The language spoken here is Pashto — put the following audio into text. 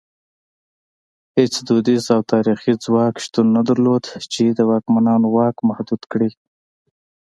هېڅ دودیز او تاریخي ځواک شتون نه درلود چې د واکمنانو واک محدود کړي.